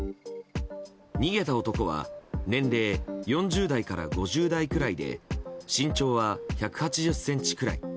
逃げた男は年齢４０代から５０代くらいで身長は１８０ｃｍくらい。